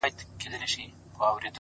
• زړه ته نیژدې دی او زوی د تره دی ,